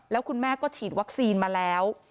แล้วคุณแม่ก็ฉีดวัคซีนมาแล้ว